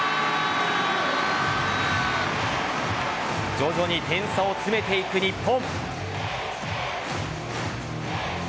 徐々に点差を詰めていく日本。